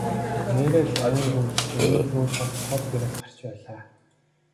Нээрээ л ойн гүнд жимийн зүүн талд тод гэрэл гарч байлаа.